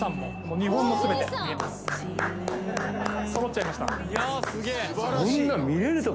揃っちゃいました。